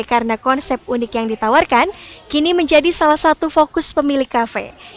karena konsep unik yang ditawarkan kini menjadi salah satu fokus pemilik kafe